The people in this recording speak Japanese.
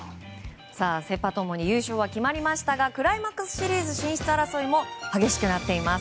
セ・パともに優勝が決まりましたがクライマックスシリーズ進出争いも激しくなっています。